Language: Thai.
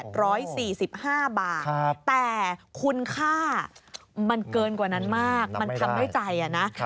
แต่คุณค่ามันเกินกว่านั้นมากมันทำด้วยใจอ่ะนะ